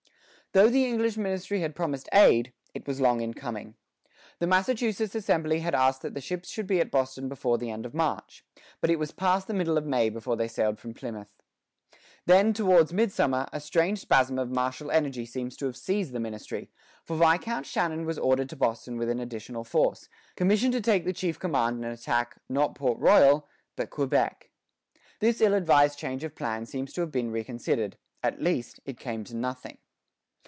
Though the English ministry had promised aid, it was long in coming. The Massachusetts Assembly had asked that the ships should be at Boston before the end of March; but it was past the middle of May before they sailed from Plymouth. Then, towards midsummer, a strange spasm of martial energy seems to have seized the ministry, for Viscount Shannon was ordered to Boston with an additional force, commissioned to take the chief command and attack, not Port Royal, but Quebec. This ill advised change of plan seems to have been reconsidered; at least, it came to nothing.